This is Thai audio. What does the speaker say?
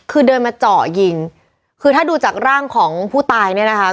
คือเดินมาเจาะยิงคือถ้าดูจากร่างของผู้ตายเนี่ยนะคะ